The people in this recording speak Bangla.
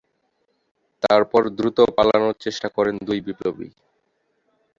তারপর দ্রুত পালানোর চেষ্টা করেন দুই বিপ্লবী।